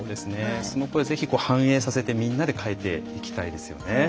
その声ぜひ反映させてみんなで変えていきたいですよね。